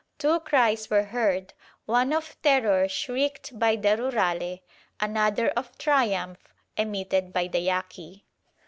Two cries were heard, one of terror shrieked by the Rurale, another of triumph emitted by the Yaqui.